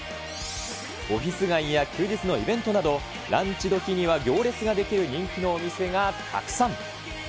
オフィス街や休日のイベントなど、ランチ時には行列が出来る人気のお店がたくさん。